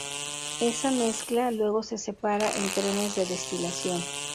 Esa mezcla luego se separa en trenes de destilación.